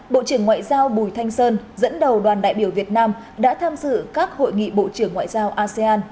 bộ trưởng ngoại giao bùi thanh sơn dẫn đầu đoàn đại biểu việt nam đã tham dự các hội nghị bộ trưởng ngoại giao asean